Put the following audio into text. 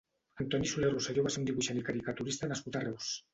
Antoni Soler Rosselló va ser un dibuixant i caricaturista nascut a Reus.